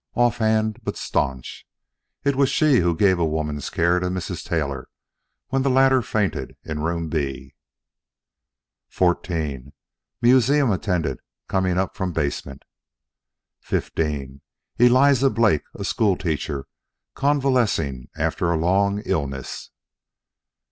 Offhand but stanch. It was she who gave a woman's care to Mrs. Taylor when the latter fainted in Room B. XIV Museum attendant coming up from basement. XV Eliza Blake a school teacher, convalescing after a long illness.